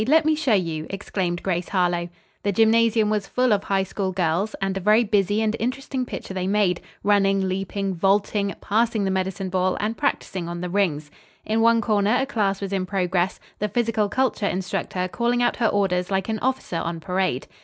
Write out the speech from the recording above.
Let me show you," exclaimed Grace Harlowe. The gymnasium was full of High School girls, and a very busy and interesting picture they made, running, leaping, vaulting, passing the medicine ball and practising on the rings. In one corner a class was in progress, the physical culture instructor calling out her orders like an officer on parade.